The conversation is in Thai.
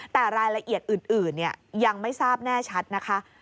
แต่รายละเอียดอื่นยังไม่ทราบแน่ชัดนะคะ